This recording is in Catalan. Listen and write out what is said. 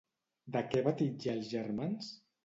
De què va titllar als germans?